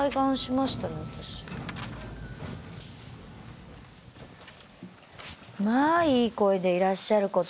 まあいい声でいらっしゃること。